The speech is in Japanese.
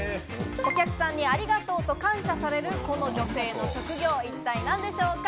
お客さんにありがとうと感謝される、この女性の職業は一体何でしょうか？